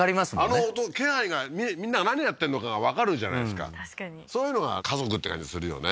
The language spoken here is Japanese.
あの音気配がみんなが何やってんのかがわかるじゃないですか確かにそういうのが家族って感じするよね